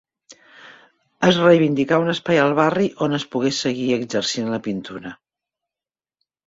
Es reivindicà un espai al barri on es pogués seguir exercint la pintura.